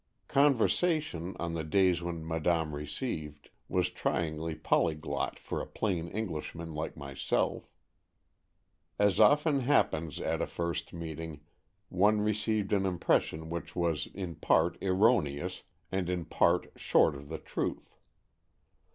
Conversation, on the days when Madame received, was tryingly polyglot for a plain Englishman like myself. As often happens at a first meeting, one received an impression which was in part erroneous and in part short of the truth.